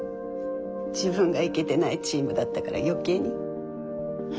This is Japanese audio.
自分がイケてないチームだったから余計に。